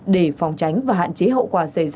để phòng tránh và hạn chế